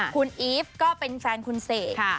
คุณอีฟก็เป็นแฟนคุณเสก